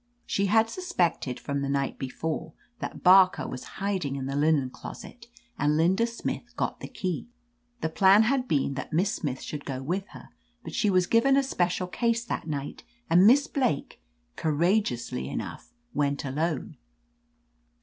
She had suspected, from the night before, that Barker was hiding in the linen closet, and Linda Smith got the key. The plan had been that Miss Smith should go with her, but she was given a special case that night, and Miss Blake, courageously enough, went alone.